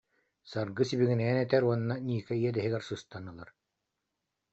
Саргы сибигинэйэн этэр уонна Ника иэдэһигэр сыстан ылар